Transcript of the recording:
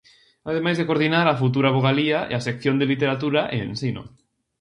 Ademais de coordinar a futura vogalía e a sección de literatura e ensino.